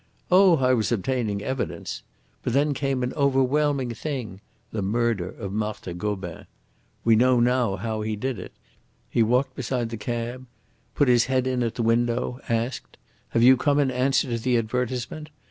Oh, I was obtaining evidence. But then came an overwhelming thing the murder of Marthe Gobin. We know now how he did it. He walked beside the cab, put his head in at the window, asked, 'Have you come in answer to the advertisement?'